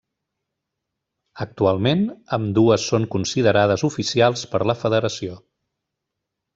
Actualment, ambdues són considerades oficials per la federació.